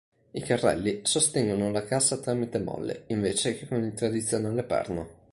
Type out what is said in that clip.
I carrelli sostengono la cassa tramite molle, invece che con il tradizionale perno.